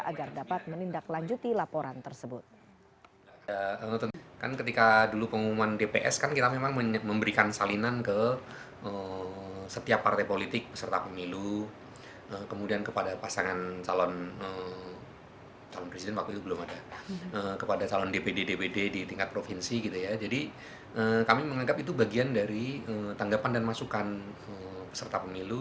agar dapat menindaklanjuti laporan tersebut